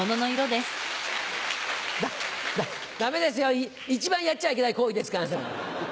ダメですよ一番やっちゃいけない行為ですから。